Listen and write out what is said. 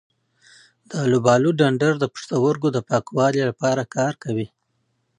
د الوبالو ډنډر د پښتورګو د پاکوالي لپاره وکاروئ